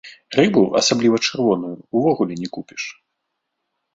Рыбу, асабліва чырвоную, увогуле не купіш.